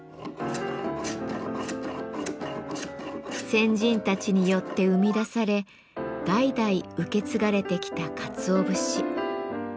先人たちによって生み出され代々受け継がれてきたかつお節。